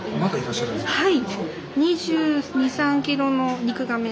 はい。